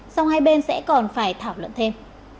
sau hai bên sẽ còn phải thảo luận thêm